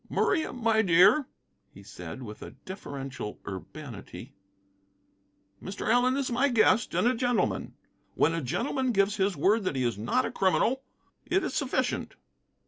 "Maria, my dear," he said, with a deferential urbanity, "Mr. Allen is my guest, and a gentleman. When a gentleman gives his word that he is not a criminal, it is sufficient."